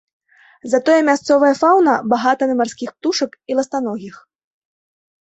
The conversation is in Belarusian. Затое мясцовая фаўна багата на марскіх птушак і ластаногіх.